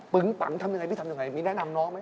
ปึ๊งปังทำคิดอย่างไรพี่ทำอย่างไรมีแนะนำน้องไหม